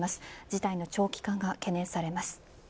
事態の長期化が懸念されます。